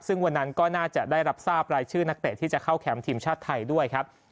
ซึ่งวันนั้นก็น่าจะได้รับทราบรายชื่อนักเตะที่จะเข้าแคมป์ทีมชาติไทยด้วยครับ